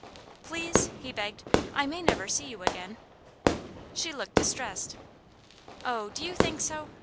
"Please!" he begged. "I may never see you again." She looked distressed. "Oh, do you think so?"